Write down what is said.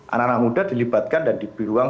anak anak muda dilibatkan dan dibiruang